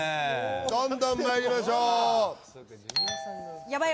どんどんまいりましょうヤバい